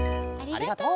ありがとう。